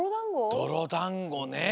どろだんごね。